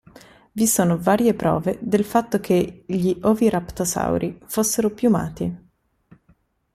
Vi sono varie prove del fatto che gli oviraptorosauri fossero piumati.